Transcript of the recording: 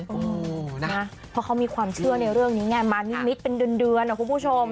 เพราะเขามีความเชื่อในเรื่องนี้ไงมานิดเป็นเดือนนะครับคุณผู้ชม